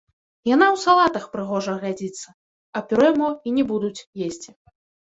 Яна ў салатах прыгожа глядзіцца, а пюрэ мо і не будуць есці.